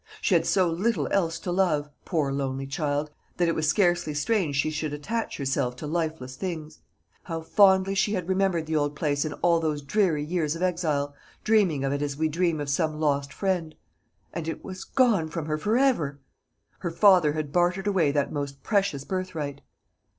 She had so little else to love, poor lonely child, that it was scarcely strange she should attach herself to lifeless things. How fondly she had remembered the old place in all those dreary years of exile, dreaming of it as we dream of some lost friend. And it was gone from her for ever! Her father had bartered away that most precious birthright.